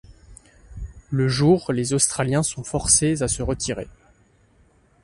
Le jour, les Australiens sont forcés à se retirer.